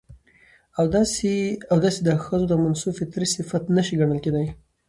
او داسې دا ښځو ته منسوب فطري صفت نه شى ګڼل کېداى.